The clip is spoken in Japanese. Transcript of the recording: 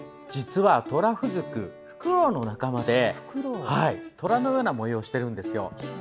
実は、トラフズクはフクロウの仲間でトラのような模様をしているんですよ。